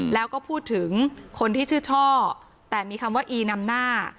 แล้วก็พูดถึงคนที่ชื่อช่อแต่มีคำว่าอีนำหน้า